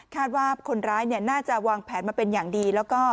คาดว่าคนร้ายน่าจะวางแผนมาเป็นอย่างดี